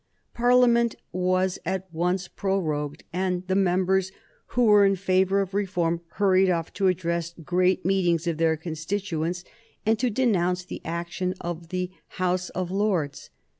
Parliament was at once prorogued, and the members who were in favor of reform hurried off to address great meetings of their constituents, and to denounce the action of the House of Lords.